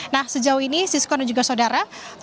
nah sejauh ini siskon dan juga saudara